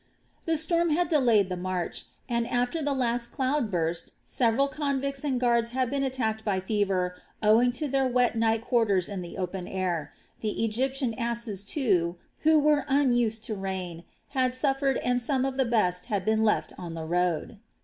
The storm had delayed the march and, after the last cloud burst, several convicts and guards had been attacked by fever owing to their wet night quarters in the open air. The Egyptian asses, too, who were unused to rain, had suffered and some of the best had been left on the road.